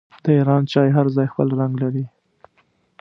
د ایران چای هر ځای خپل رنګ لري.